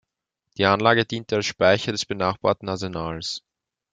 Die Anlage diente als Speicher des benachbarten Arsenals.